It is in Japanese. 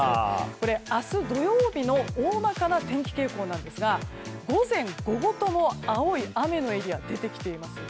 これ、明日土曜日の大まかな天気傾向なんですが午前午後とも青い雨のエリアが出てきています。